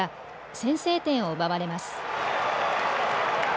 先制点を奪われます。